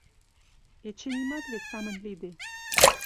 Эче нимат вет самынь лиде...